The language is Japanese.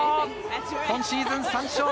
今シーズン３勝目！